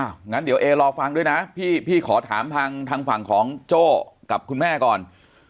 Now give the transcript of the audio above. งั้นเดี๋ยวเอรอฟังด้วยนะพี่ขอถามทางฝั่งของโจ้กับคุณแม่ก่อน